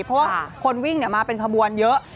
เพราะว่าคนวิ่งมาเป็นขบวนเยอะ